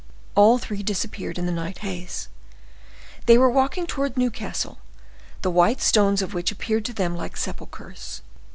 All three disappeared in the night haze. They were walking towards Newcastle, the white stones of which appeared to them like sepulchers.